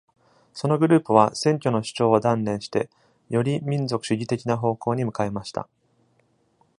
そのグループは、選挙の主張を断念して、より民族主義的な方向に向かいました。